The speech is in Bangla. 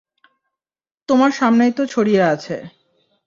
তোমার সামনেই তো ছড়িয়ে আছে।